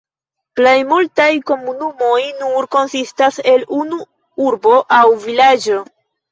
Plejmultaj komunumoj nur konsistas el unu urbo aŭ vilaĝo.